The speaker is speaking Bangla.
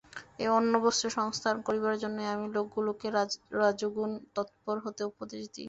ঐ অন্নবস্ত্রের সংস্থান করবার জন্যই আমি লোকগুলোকে রজোগুণ-তৎপর হতে উপদেশ দিই।